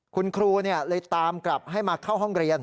คุณครูเลยตามกลับให้มาเข้าห้องเรียน